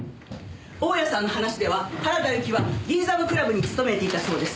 大家さんの話では原田由紀は銀座のクラブに勤めていたそうです。